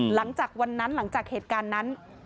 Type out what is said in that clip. หลังจากวันนั้นหลังจากเหตุการณ์นั้น